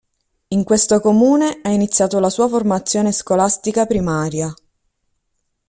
In questo comune, ha iniziato la sua formazione scolastica primaria.